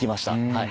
はい。